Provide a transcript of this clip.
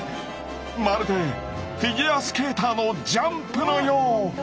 まるでフィギュアスケーターのジャンプのよう！